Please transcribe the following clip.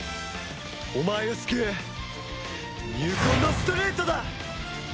お前を救う入魂のストレートだ！